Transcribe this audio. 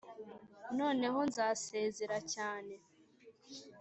noneho nzasezera cyane,